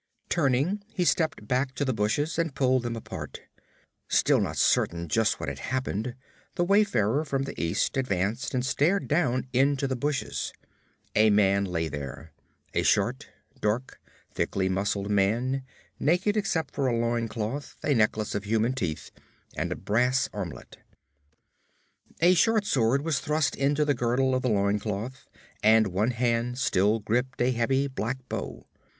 Turning, he stepped back to the bushes and pulled them apart. Still not certain just what had happened, the wayfarer from the east advanced and stared down into the bushes. A man lay there, a short, dark, thickly muscled man, naked except for a loin cloth, a necklace of human teeth and a brass armlet. A short sword was thrust into the girdle of the loin cloth, and one hand still gripped a heavy black bow.